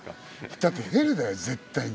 だってヘルだよ絶対に。